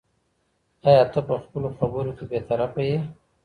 ایا ته په خپلو خبرو کې بې طرفه یې؟